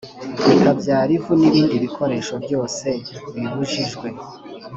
bikabyara ivu n ibindi bikoresho byose bibujijwe